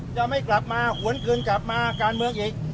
จะไม่กลับมาหวนเกินกลับมาการเมืองอีก